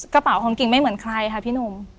กระเป๋าของกิ่งไม่เหมือนใครค่ะพี่หนุ่ม